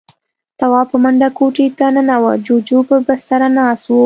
تواب په منډه کوټې ته ننوت. جُوجُو پر بستره ناست و.